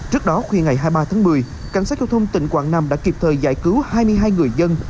trước đó khuya ngày hai mươi ba tháng một mươi cảnh sát giao thông tỉnh quảng nam đã kịp thời giải cứu hai mươi hai người dân